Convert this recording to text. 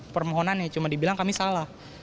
permohonannya cuma dibilang kami salah